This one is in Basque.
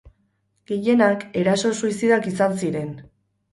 Gehienak eraso suizidak izan ziren.